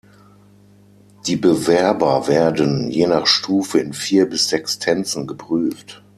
Die Bewerber werden, je nach Stufe, in vier bis sechs Tänzen geprüft.